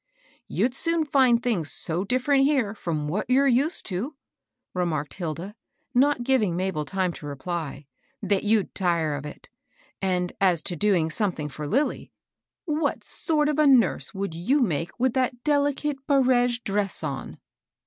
" You'd soon find things so diflferent here fi:om what you're used to," remarked Hilda, not giving Mabel time to reply, " that you'd tire of it. And as to doing something for Lilly, what sort of a nurse would you make with that delicate barege dress on